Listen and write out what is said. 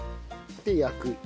で焼く。